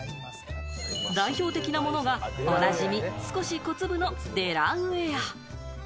代表的なものがおなじみ、少し小粒のデラウェア。